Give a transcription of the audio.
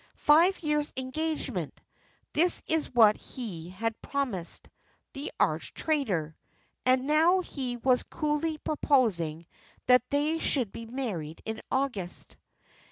Five years' engagement! This is what he had promised, the arch traitor! and now he was coolly proposing that they should be married in August.